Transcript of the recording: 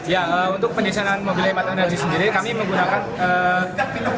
ya untuk penyesalan mobil hemat energi sendiri kami menggunakan